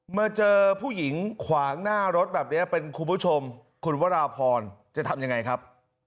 มาเจอผู้หญิงขวางหน้ารถแบบนี้เป็นคุณผู้ชมคุณวราพรจะทำยังไงครับ